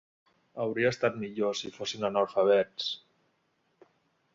Hauria estat millor si fossin analfabets.